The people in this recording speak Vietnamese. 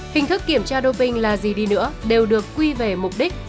hình thức kiểm tra đô binh là gì đi nữa đều được quy về mục đích